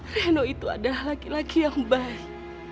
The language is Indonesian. reno itu adalah laki laki yang baik